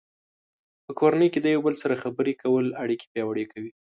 په کورنۍ کې د یو بل سره خبرې کول اړیکې پیاوړې کوي.